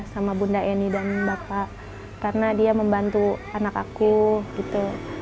sama bunda eni dan bapak karena dia membantu anak aku gitu